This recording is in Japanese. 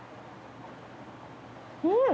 うん。